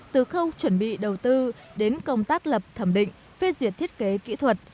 từ khâu chuẩn bị đầu tư đến công tác lập thẩm định phê duyệt thiết kế kỹ thuật